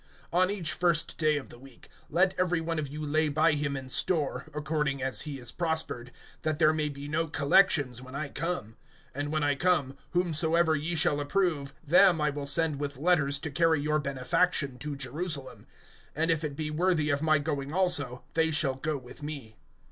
(2)On each first day of the week, let every one of you lay by him in store, according as he is prospered, that there may be no collections when I come. (3)And when I come, whomsoever ye shall approve, them I will send with letters to carry your benefaction to Jerusalem. (4)And if it be worthy of my going also, they shall go with me.